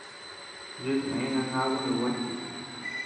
Yuchme jinangaku nukuee.